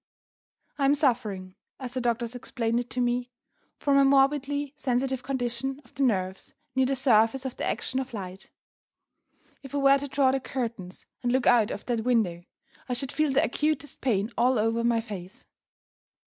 I am suffering (as the doctors explain it to me) from a morbidly sensitive condition of the nerves near the surface to the action of light. If I were to draw the curtains, and look out of that window, I should feel the acutest pain all over my face.